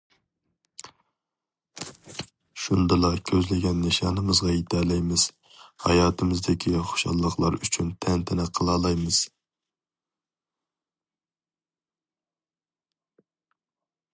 شۇندىلا كۆزلىگەن نىشانىمىزغا يېتەلەيمىز، ھاياتىمىزدىكى خۇشاللىقلار ئۈچۈن تەنتەنە قىلالايمىز!